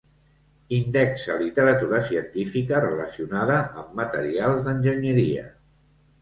Indexa literatura científica relacionada amb materials d'enginyeria.